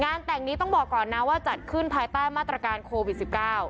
แต่งนี้ต้องบอกก่อนนะว่าจัดขึ้นภายใต้มาตรการโควิด๑๙